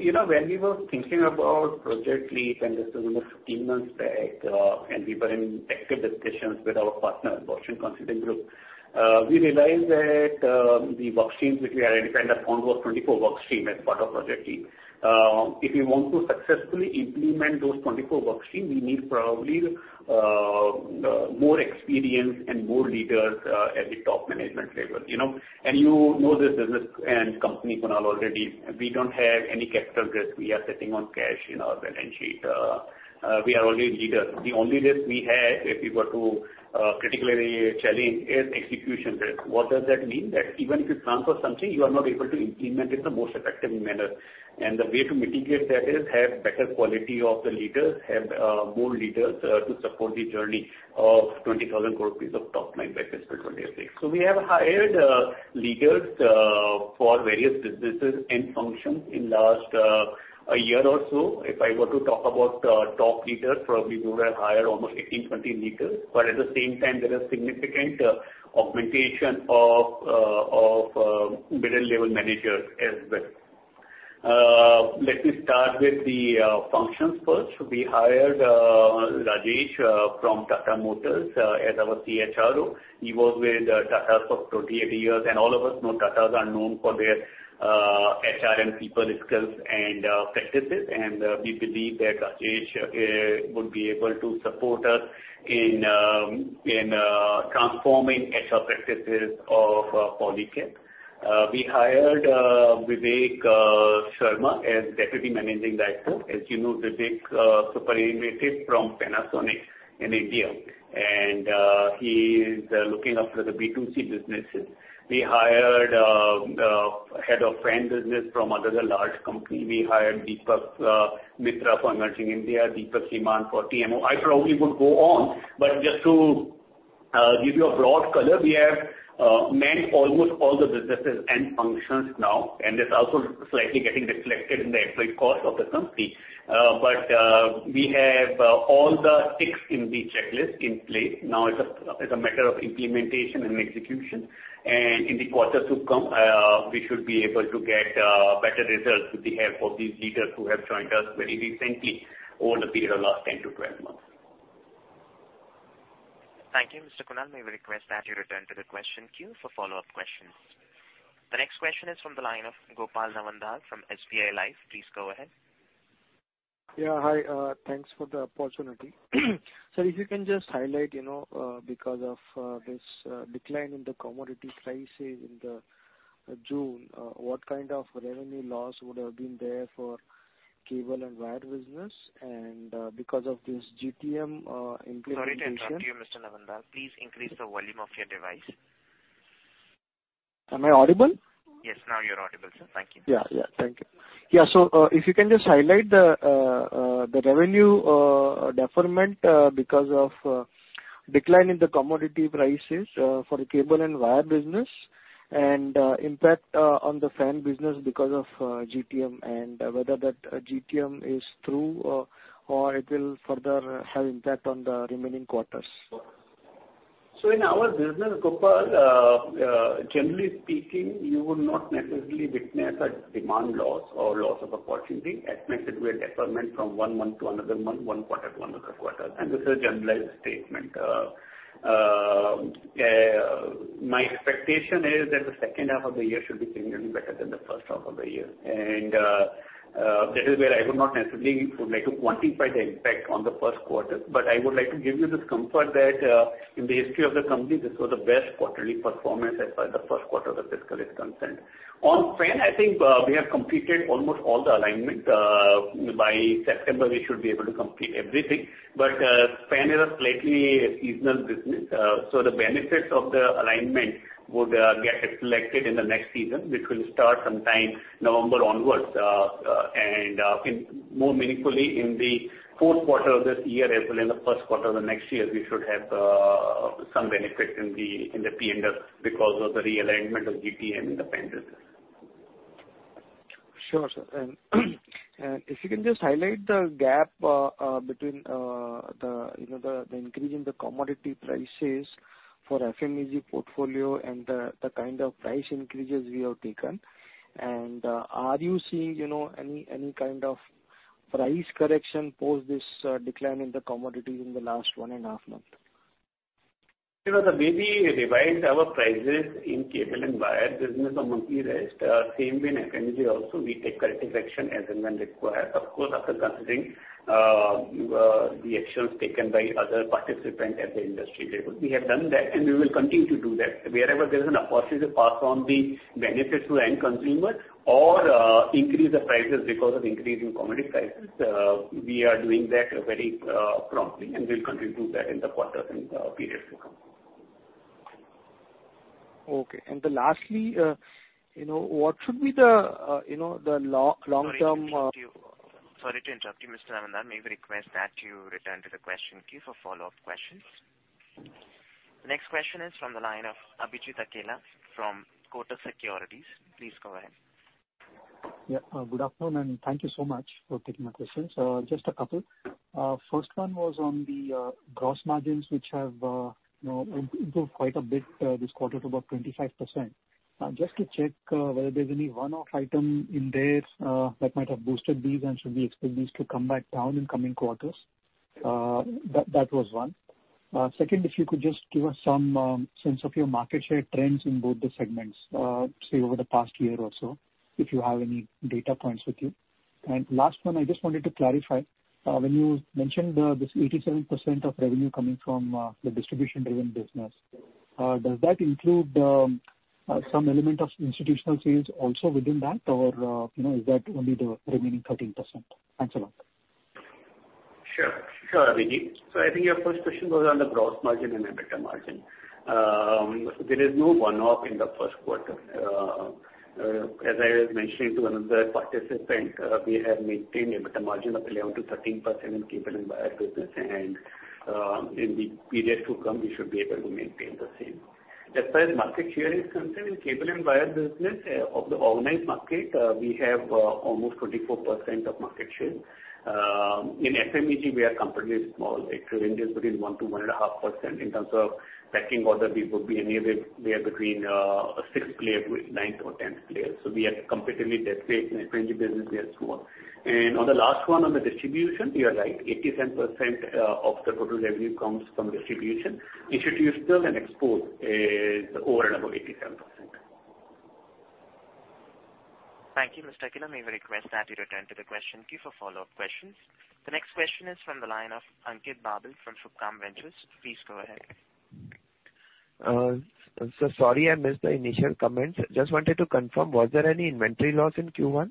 You know, when we were thinking about Project LEAP and this was almost 15 months back, and we were in active discussions with our partner, Boston Consulting Group, we realized that, the workstreams which we identified, the total of 24 workstreams as part of Project LEAP, if we want to successfully implement those 24 workstreams, we need probably, more experience and more leaders, at the top management level, you know. You know this business and company, Kunal, already. We don't have any capital risk. We are sitting on cash in our balance sheet. We are only leaders. The only risk we have if we were to, the particular challenge is execution risk. What does that mean? That even if you plan for something, you are not able to implement it in the most effective manner. The way to mitigate that is have better quality of the leaders, have more leaders to support the journey of 20,000 crore rupees piece of top line by fiscal 2026. We have hired leaders for various businesses and functions in last a year or so, if I were to talk about top leaders, probably we would have hired almost 18-20 leaders. But at the same time, there is significant augmentation of middle-level managers as well. Let me start with the functions first. We hired Rajesh from Tata Motors as our CHRO. He worked with Tata for 28 years, and all of us know Tatas are known for their HR and people skills and practices. We believe that Rajesh would be able to support us in transforming HR practices of Polycab. We hired Vivek Sharma as Deputy Managing Director. As you know, Vivek superannuated from Panasonic in India, and he is looking after the B2C businesses. We hired Head of Fan Business from another large company. We hired Deepak Mitra for Emerging India, Deepak Seeman for TMO. I probably would go on, but just to give you a broad color, we have manned almost all the businesses and functions now, and it's also slightly getting reflected in the employee cost of the company. We have all the ticks in the checklist in place. Now it's a matter of implementation and execution. In the quarters to come, we should be able to get better results with the help of these leaders who have joined us very recently over the period of last 10-12 months. Thank you, Mr. Kunal. May we request that you return to the question queue for follow-up questions. The next question is from the line of Gopal Navandar from SBI Life. Please go ahead. Yeah, hi. Thanks for the opportunity. Sir, if you can just highlight, you know, because of this decline in the commodity prices in the June, what kind of revenue loss would have been there for cable and wire business and because of this GTM implementation? Sorry to interrupt you, Mr. Navandar. Please increase the volume of your device. Am I audible? Yes. Now you're audible, sir. Thank you. Yeah, yeah. Thank you. Yeah. If you can just highlight the revenue deferment because of decline in the commodity prices for cable and wire business and impact on the fan business because of GTM and whether that GTM is through or it will further have impact on the remaining quarters. In our business, Gopal, generally speaking, you would not necessarily witness a demand loss or loss of a quantity. At max, it will deferment from one month to another month, one quarter to another quarter, and this is a generalized statement. My expectation is that the second half of the year should be significantly better than the first half of the year. That is where I would not necessarily like to quantify the impact on the first quarter. I would like to give you this comfort that, in the history of the company, this was the best quarterly performance as far as the first quarter of the fiscal is concerned. On fans, I think, we have completed almost all the alignment. By September, we should be able to complete everything. Fan is a slightly seasonal business, so the benefits of the alignment would get reflected in the next season, which will start sometime November onwards. More meaningfully in the fourth quarter of this year, as well in the first quarter of the next year, we should have some benefit in the P&L because of the realignment of GTM in the fan business. Sure, sir. If you can just highlight the gap between the increase in the commodity prices for FMEG portfolio and the kind of price increases you have taken. Are you seeing any kind of price correction post this decline in the commodities in the last one and a half month? You know, the way we revise our prices in cable and wire business on monthly basis, same way in FMEG also we take corrective action as and when required. Of course, after considering the actions taken by other participants at the industry level. We have done that, and we will continue to do that. Wherever there is an opportunity to pass on the benefit to end consumer or increase the prices because of increase in commodity prices, we are doing that very promptly, and we'll continue to do that in the quarters and periods to come. Okay. Lastly, you know, what should be the, you know, the long term- Sorry to interrupt you. Sorry to interrupt you, Mr. Navandar. May we request that you return to the question queue for follow-up questions. The next question is from the line of Abhijit Akella from Kotak Securities. Please go ahead. Yeah. Good afternoon, and thank you so much for taking my questions. Just a couple. First one was on the gross margins, which have, you know, improved quite a bit this quarter to about 25%. Just to check whether there's any one-off item in there that might have boosted these and should we expect these to come back down in coming quarters? That was one. Second, if you could just give us some sense of your market share trends in both the segments, say over the past year or so, if you have any data points with you. Last one, I just wanted to clarify, when you mentioned, this 87% of revenue coming from, the distribution-driven business, does that include, some element of institutional sales also within that or, you know, is that only the remaining 13%? Thanks a lot. Sure. Sure, Abhijeet. I think your first question was on the gross margin and EBITDA margin. There is no one-off in the first quarter. As I was mentioning to another participant, we have maintained EBITDA margin of 11%-13% in cable and wire business and, in the periods to come, we should be able to. As far as market share is concerned, in cable and wire business, of the organized market, we have almost 44% of market share. In FMEG, we are comparatively small. It ranges between 1%-1.5%. In terms of ranking order, we would be anywhere between a sixth player to eighth, ninth or tenth player. We are comparatively that way in the FMEG business, we are small. On the last one, on the distribution, you are right. 87% of the total revenue comes from distribution. Institutional and export is over and above 87%. Thank you, Mr. Akella. May we request that you return to the question queue for follow-up questions. The next question is from the line of Ankit Babel from Subhkam Ventures. Please go ahead. Sorry I missed the initial comments. Just wanted to confirm, was there any inventory loss in Q1?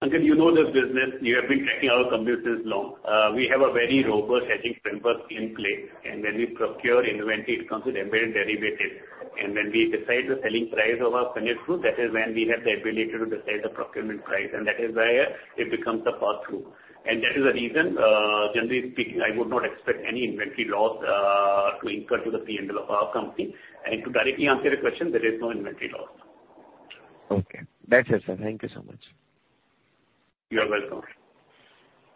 Ankit, you know this business. You have been tracking our company since long. We have a very robust hedging framework in place, and when we procure inventory, it comes with embedded derivatives. When we decide the selling price of our finished goods, that is when we have the ability to decide the procurement price, and that is where it becomes a pass-through. That is the reason, generally speaking, I would not expect any inventory loss to incur to the P&L of our company. To directly answer your question, there is no inventory loss. Okay. That's it, sir. Thank you so much. You are welcome.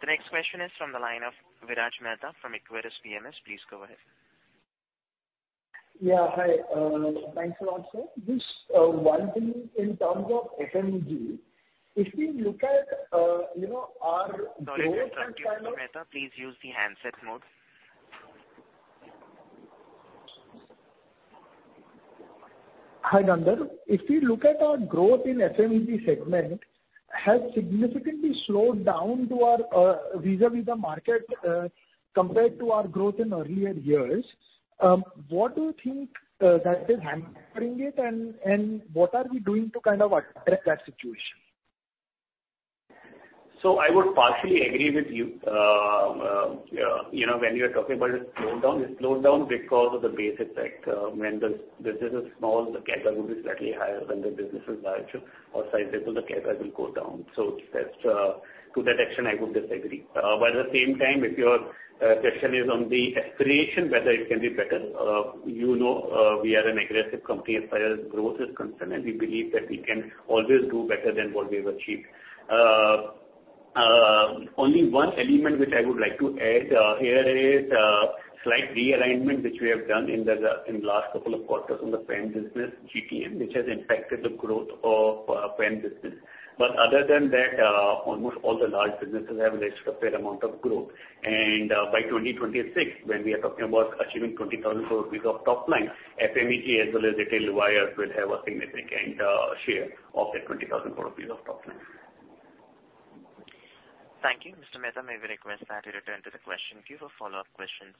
The next question is from the line of Viraj Mehta from Equirus PMS. Please go ahead. Yeah. Hi. Thanks a lot, sir. Just one thing in terms of FMEG. If we look at, you know, our Sorry to interrupt you, Mr. Mehta. Please use the handset mode. Hi, Gandharv Tongia. If we look at our growth in FMEG segment has significantly slowed down to our vis-à-vis the market compared to our growth in earlier years. What do you think that is hampering it, and what are we doing to kind of correct that situation? I would partially agree with you. You know, when you're talking about a slowdown, it's slowdown because of the base effect. When the business is small, the CAGR will be slightly higher. When the business is larger or sizable, the CAGR will go down. That's, to that extent I would just agree. At the same time, if your question is on the aspiration, whether it can be better, you know, we are an aggressive company as far as growth is concerned, and we believe that we can always do better than what we've achieved. Only one element which I would like to add, here is, slight realignment which we have done in the last couple of quarters on the FMEG business GTM, which has impacted the growth of FMEG business. Other than that, almost all the large businesses have registered a fair amount of growth. By 2026, when we are talking about achieving 20,000 crore rupees of top line, FMEG as well as retail wires will have a significant share of that 20,000 crore rupees of top line. Thank you. Mr. Mehta, may we request that you return to the question queue for follow-up questions.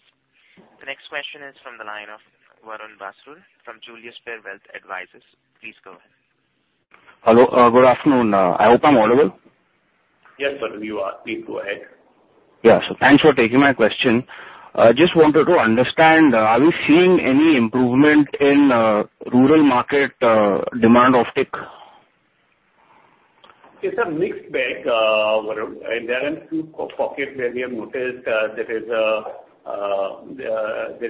The next question is from the line of Varun Basrur from Julius Baer Wealth Advisors. Please go ahead. Hello. Good afternoon. I hope I'm audible. Yes, Varun, you are. Please go ahead. Yeah. Thanks for taking my question. Just wanted to understand, are we seeing any improvement in rural market demand of TIC? It's a mixed bag, Varun. There are a few pockets where we have noticed there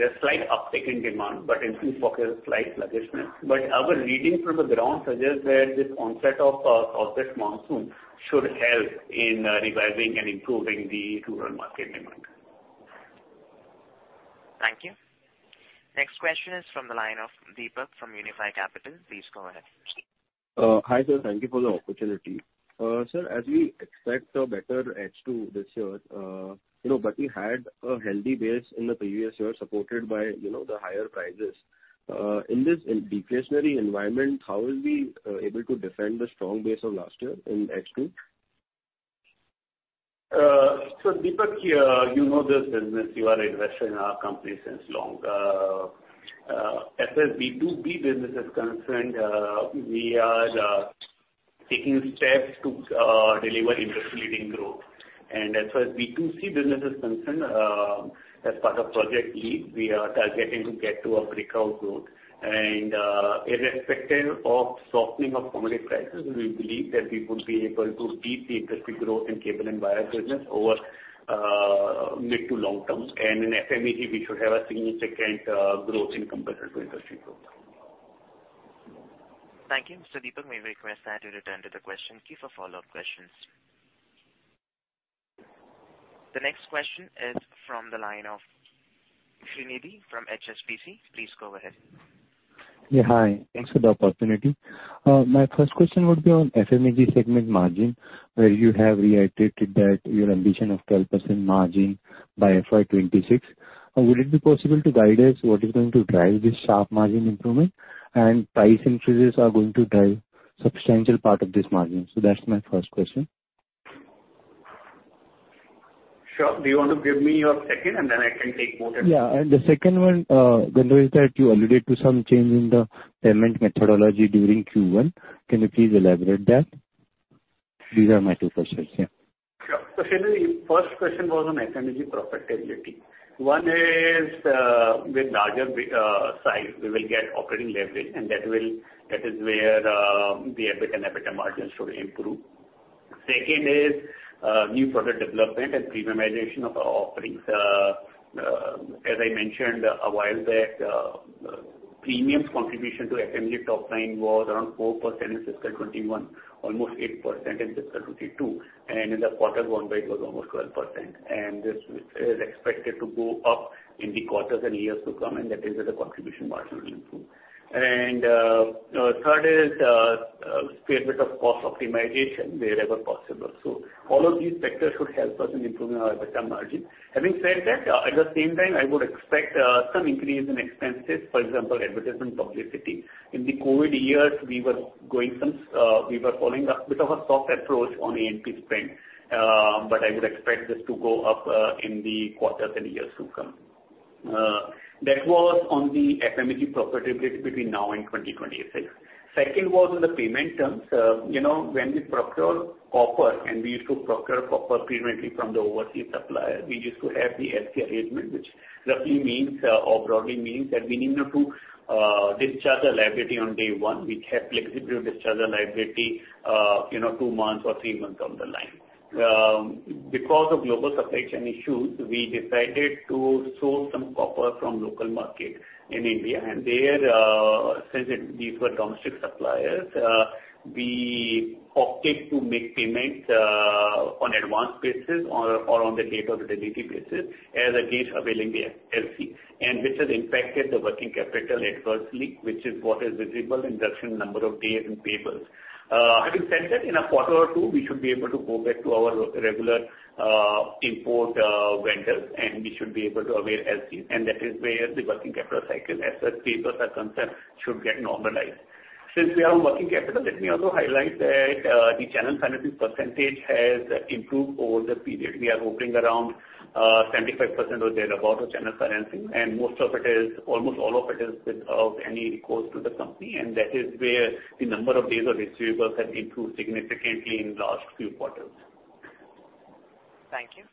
is slight uptick in demand, but in few pockets slight sluggishness. Our reading from the ground suggests that this onset of this monsoon should help in reviving and improving the rural market demand. Thank you. Next question is from the line of Deepak from Unifi Capital. Please go ahead. Hi, sir. Thank you for the opportunity. Sir, as we expect a better H2 this year, you know, but we had a healthy base in the previous year supported by, you know, the higher prices. In this inflationary environment, how will we able to defend the strong base of last year in H2? Deepak, you know this business. You are investing in our company since long. As far as B2B business is concerned, we are taking steps to deliver industry-leading growth. As far as B2C business is concerned, as part of Project LEAP, we are targeting to get to a breakout growth. Irrespective of softening of commodity prices, we believe that we would be able to beat the industry growth in cable and wire business over mid to long term. In FMEG, we should have a significant growth in comparison to industry growth. Thank you. Mr. Deepak, may we request that you return to the question queue for follow-up questions. The next question is from the line of Srinivasan G from HSBC. Please go ahead. Yeah, hi. Thanks for the opportunity. My first question would be on FMEG segment margin, where you have reiterated that your ambition of 12% margin by FY 2026. Would it be possible to guide us on what is going to drive this sharp margin improvement and price increases are going to drive substantial part of this margin? That's my first question. Sure. Do you want to give me your second, and then I can take both at once? Yeah. The second one, Gandharv Tongia, is that you alluded to some change in the payment methodology during Q1. Can you please elaborate that? These are my two questions. Yeah. Sure. Srini, first question was on FMEG profitability. One is, with larger size, we will get operating leverage, and that is where the EBIT and EBITDA margins should improve. Second is, new product development and premiumization of our offerings. As I mentioned a while back, premiums contribution to FMEG top line was around 4% in fiscal 2021, almost 8% in fiscal 2022, and in the quarter gone by it was almost 12%. This is expected to go up in the quarters and years to come, and that is where the contribution margin will improve. Third is, fair bit of cost optimization wherever possible. All of these factors should help us in improving our EBITDA margin. Having said that, at the same time, I would expect some increase in expenses, for example, advertisement publicity. In the COVID years, we were following a bit of a soft approach on A&P spend, but I would expect this to go up in the quarters and years to come. That was on the FMCG profitability between now and 2026. Second was on the payment terms. You know, when we procure copper, and we used to procure copper previously from the overseas supplier, we used to have the LC arrangement, which roughly means or broadly means that we need not to discharge the liability on day one. We have flexibility to discharge the liability, you know, two months or three months down the line. Because of global supply chain issues, we decided to source some copper from local market in India. There, since these were domestic suppliers, we opted to make payments on advance basis or on the date of the delivery basis as against availing the LC, and which has impacted the working capital adversely, which is what is visible in reduction in number of days in payables. Having said that, in a quarter or two, we should be able to go back to our regular import vendors, and we should be able to avail LC. That is where the working capital cycle as such payables are concerned should get normalized. Since we are on working capital, let me also highlight that the channel financing percentage has improved over the period. We are operating around 75% or thereabout of channel financing, and almost all of it is without any recourse to the company. That is where the number of days of receivables have improved significantly in last few quarters. Thank you.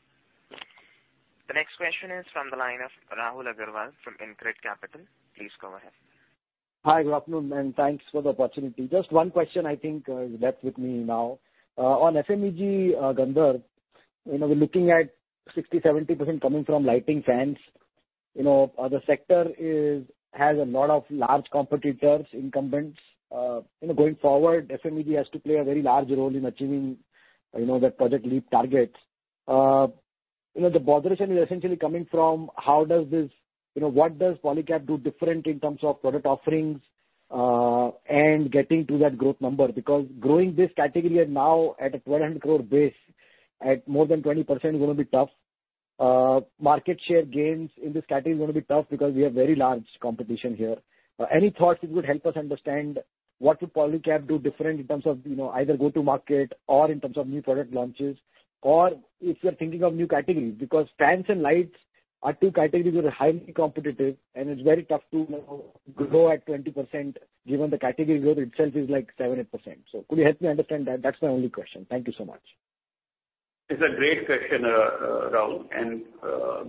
The next question is from the line of Rahul Agarwal from InCred Capital. Please go ahead. Hi, good afternoon, and thanks for the opportunity. Just one question I think is left with me now. On FMCG, Gandharv, you know, we're looking at 60%-70% coming from lighting fans. You know, the sector has a lot of large competitors, incumbents. You know, going forward, FMCG has to play a very large role in achieving, you know, that Project LEAP targets. You know, the botheration is essentially coming from how does this, you know, what does Polycab do different in terms of product offerings and getting to that growth number? Because growing this category now at an 1,200 crore base at more than 20% is gonna be tough. Market share gains in this category is gonna be tough because we have very large competition here. Any thoughts which would help us understand what would Polycab do different in terms of, you know, either go to market or in terms of new product launches, or if you're thinking of new categories? Because fans and lights are two categories that are highly competitive and it's very tough to, you know, grow at 20% given the category growth itself is like 7%-8%. Could you help me understand that? That's my only question. Thank you so much. It's a great question, Rahul, and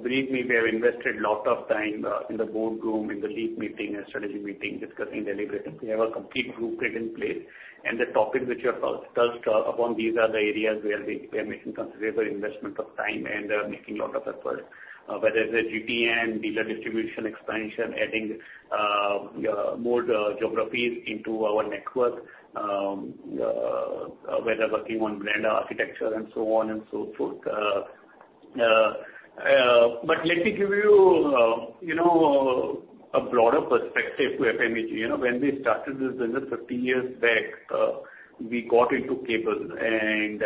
believe me, we have invested lot of time in the boardroom, in the LEAP meeting and strategy meeting discussing deliberately. We have a complete blueprint in place, and the topics which you have touched upon, these are the areas where we are making considerable investment of time and are making lot of efforts. Whether it's GPN, dealer distribution expansion, adding more geographies into our network, whether working on brand architecture and so on and so forth. Let me give you know, a broader perspective to FMCG. You know, when we started this business 50 years back, we got into cables and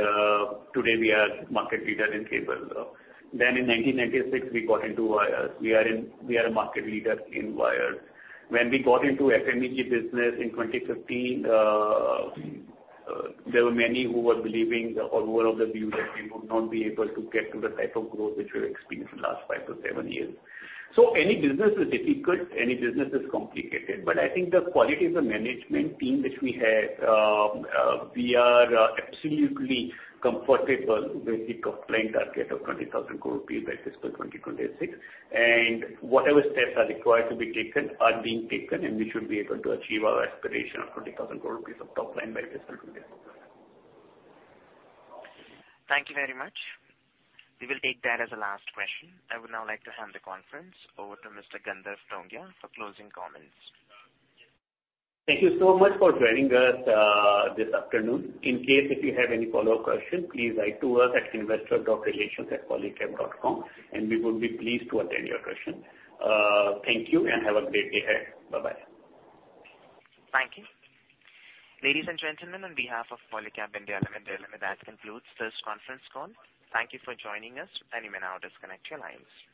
today we are market leader in cables. In 1996 we got into wires. We are a market leader in wires. When we got into FMEG business in 2015, there were many who were believing or who were of the view that we would not be able to get to the type of growth which we've experienced in last five-seven years. So any business is difficult, any business is complicated, but I think the quality of the management team which we have, we are absolutely comfortable with the top line target of 20,000 crore rupees by fiscal 2026. Whatever steps are required to be taken are being taken, and we should be able to achieve our aspiration of 20,000 crore rupees of top line by fiscal 2026. Thank you very much. We will take that as the last question. I would now like to hand the conference over to Mr. Gandharv Tongia for closing comments. Thank you so much for joining us this afternoon. In case if you have any follow-up questions, please write to us at investor.relations@polycab.com, and we would be pleased to attend your question. Thank you and have a great day ahead. Bye-bye. Thank you. Ladies and gentlemen, on behalf of Polycab India Limited, that concludes this conference call. Thank you for joining us. You may now disconnect your lines.